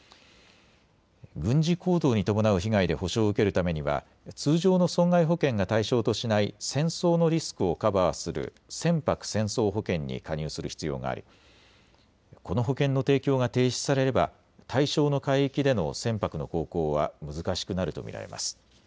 軍事行動に伴う被害で補償を受けるためには通常の損害保険が対象としない戦争のリスクをカバーする船舶戦争保険に加入する必要がありこの保険の提供が停止されれば対象の海域での船舶の航行は難しくなると見られます。